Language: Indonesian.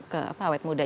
ke awet muda